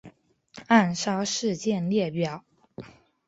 暗杀事件列表